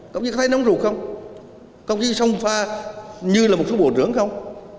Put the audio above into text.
công chí thấy nóng rụt không công chí song pha như là một số bộ trưởng không